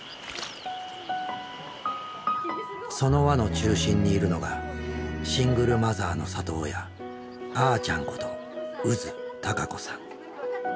その輪の中心にいるのがシングルマザーの里親「あーちゃん」こと宇津孝子さん。